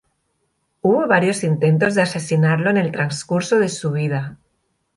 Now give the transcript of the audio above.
Hubo varios intentos de asesinarlo en el transcurso de su vida.